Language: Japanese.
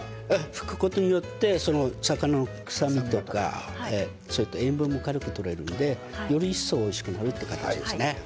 拭くことによって魚の臭みとか塩分も軽く取れてより一層おいしくなります。